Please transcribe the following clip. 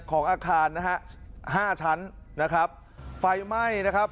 ของอาคารนะฮะห้าชั้นนะครับไฟไหม้นะครับ